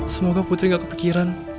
semoga putri gak kepikiran